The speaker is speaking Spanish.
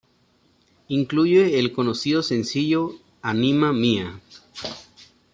Incluye el conocido sencillo "Anima Mia".